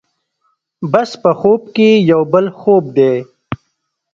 بس په خوب کې یو بل خوب دی.